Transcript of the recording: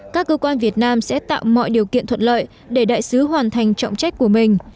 các cơ quan việt nam sẽ tạo mọi điều kiện thuận lợi để đại sứ hoàn thành trọng trách của mình